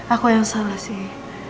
aku yang salah sih